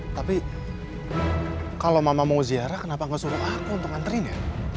tapi kalau mama mau ziarah kenapa nggak suruh aku untuk nganterin ya